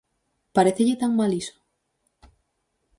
¿Parécelle tan mal iso?